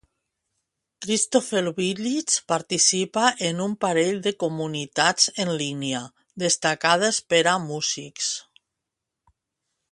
Christopher Willits participa en un parell de comunitats en línia destacades per a músics.